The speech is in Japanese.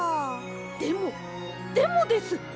でもでもです！